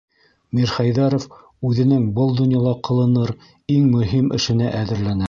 Мирхәйҙәров үҙенең был донъяла ҡылыныр иң мөһим эшенә әҙерләнә.